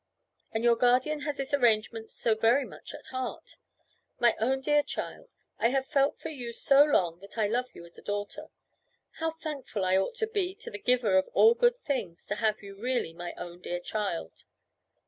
And your guardian has this arrangement so very much at heart. My own dear child, I have felt for you so long that I love you as a daughter. How thankful I ought to be to the Giver of all good things to have you really my own dear child."